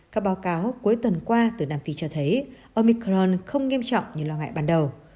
các báo cáo cuối tuần qua từ nam phi cho thấy ông micron không nghiêm trọng như lo ngại ban đầu